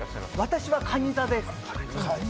私はかに座です。